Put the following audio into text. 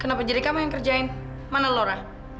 kenapa jadi kamu yang kerjain mana lora